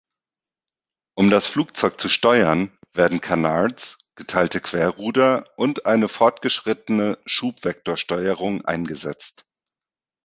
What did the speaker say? Um das Flugzeug zu steuern werden Canards, geteilte Querruder und eine fortgeschrittene Schubvektorsteuerung eingesetzt.